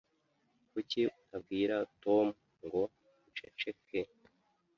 Kuki utabwira Tom ngo uceceke?